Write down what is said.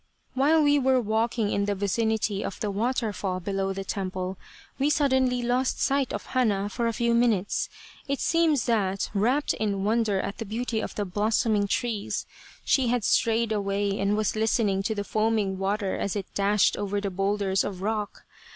" While we were walking in the vicinity of the water fall below the temple, we suddenly lost sight of Hana for a few minutes. It seems that, wrapt in wonder at the beauty of the blossoming trees, she had strayed away, and was listening to the foaming water as it dashed over the boulders of rock.